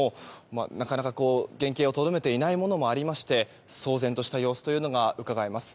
なかなか、原形をとどめていないものもありまして騒然とした様子がうかがえます。